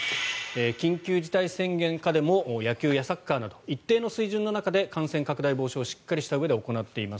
緊急事態宣言下でも野球やサッカーなど一定の水準の中で感染拡大防止をしっかりしたうえで行っています